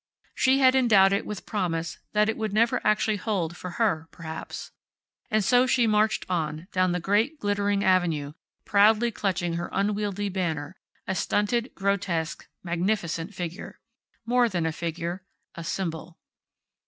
She had endowed it with promise that it would never actually hold for her, perhaps. And so she marched on, down the great, glittering avenue, proudly clutching her unwieldy banner, a stunted, grotesque, magnificent figure. More than a figure. A symbol.